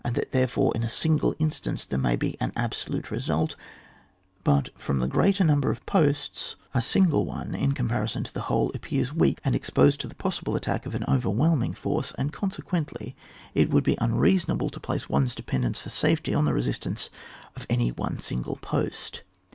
that therefore in a single instance there may be an absolute result ; but from the great number of posts, any OHAP. ZXX.] DEFENCE OF A THEATRE OF WAR, J97 aingle one, in comparison to the whole, appears weak, and exposed to the possible attack of an overwhelming force, and consequently it would be unreasonable to place one's dependence for safety on the resistance of any one single post.